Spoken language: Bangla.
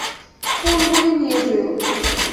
ফুলগুলি নিয়ে যেও।